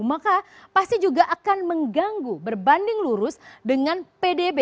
maka pasti juga akan mengganggu berbanding lurus dengan pdb